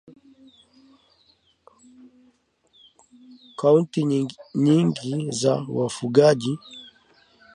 Kaunti nyingi za wafugaji